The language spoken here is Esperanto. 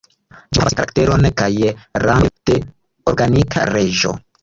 Ĝi do havas karakteron kaj rangon de "organika leĝo".